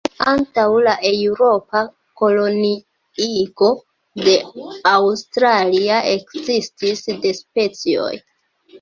Antaŭ la eŭropa koloniigo de Aŭstralio, ekzistis du specioj.